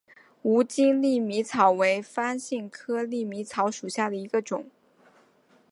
无茎粟米草为番杏科粟米草属下的一个种。